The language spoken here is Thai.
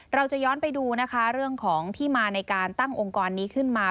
เราจะย้อนไปดูนะคะเรื่องของที่มาในการตั้งองค์กรนี้ขึ้นมา